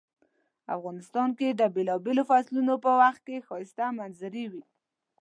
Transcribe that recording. افغانستان کې د بیلابیلو فصلونو په وخت کې ښایسته منظرۍ وی